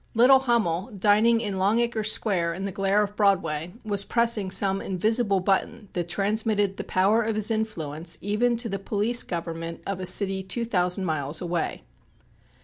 Little Hummel, dining in Long Acre Square in the glare of Broadway, was pressing some invisible button that transmitted the power of his influence even to the police government of a city two thousand miles away.